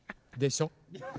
でしょ？